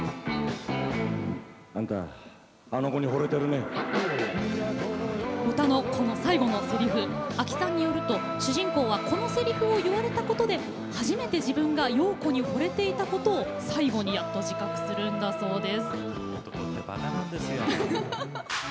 この歌の最後のせりふ阿木さんによると、主人公はこのせりふを言われたことで初めて自分がヨーコに惚れていたことを最後にやっと自覚するそうなんです。